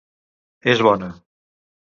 És bona.